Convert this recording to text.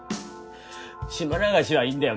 島流しはいいんだよ